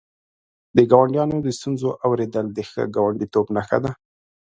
د ګاونډیانو د ستونزو اورېدل د ښه ګاونډیتوب نښه ده.